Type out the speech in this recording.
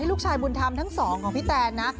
ให้ลูกชายบุญธรรมทั้ง๒ของพี่แทน